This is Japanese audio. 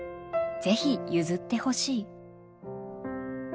是非譲ってほしい。